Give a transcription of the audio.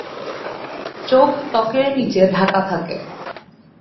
চোখ ত্বকের নিচে ঢাকা থাকে।